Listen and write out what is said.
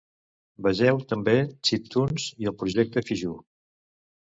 Vegeu també chiptunes i el projecte Fijuu.